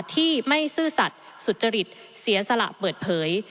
ที่ไม่ซื่อสัตว์สุจริตเสียสละเปิดเผย